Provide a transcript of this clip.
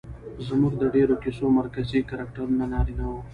زموږ د ډېرو کيسو مرکزي کرکټرونه نارينه وي